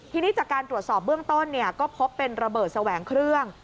ทีนี้จากการตรวจสอบเบื้องต้นก็พบเป็นระเบิดแสวงเครื่อง